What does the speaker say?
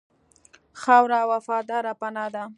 خاوره وفاداره پناه ده.